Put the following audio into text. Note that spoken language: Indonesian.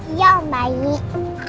iya om baik